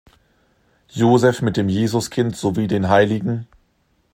Josef mit dem Jesuskind sowie den Hl.